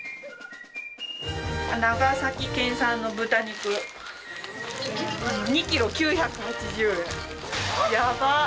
長崎県産の豚肉２ｋｇ９８０円！やばっ！